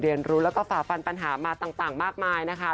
เรียนรู้แล้วก็ฝ่าฟันปัญหามาต่างมากมายนะคะ